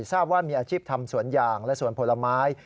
ทราบว่ามีอาชีพทำสวนยางและสวนผลไม้